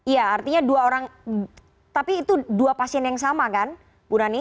iya artinya dua orang tapi itu dua pasien yang sama kan bu nani